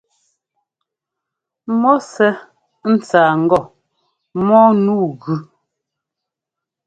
Mɔ sɛ́ ńtsáa ŋgɔ mɔ́ɔ nu gʉ.